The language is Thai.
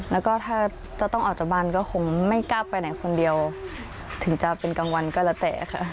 แล้วก็ถ้าจะต้องออกจากบ้านก็คงไม่กล้าไปไหนคนเดียวถึงจะเป็นกลางวันก็แล้วแต่ค่ะ